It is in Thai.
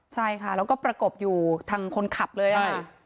ใช่ค่ะแล้วก็ประกบอยู่ทางคนขับเลยค่ะ